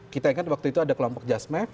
kita ingat waktu itu ada kelompok jasmed